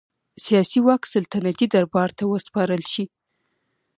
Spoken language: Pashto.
سیاسي واک سلطنتي دربار ته وسپارل شي.